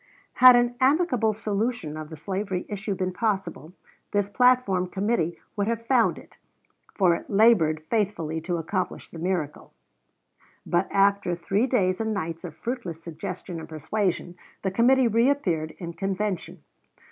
Had an amicable solution of the slavery issue been possible, this platform committee would have found it, for it labored faithfully to accomplish the miracle. But after three days and nights of fruitless suggestion and persuasion, the committee reappeared in convention.